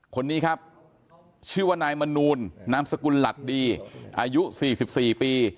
คนนี้ครับชื่อว่านายมนูลนามสกุลหลัดดีอายุ๔๔ปี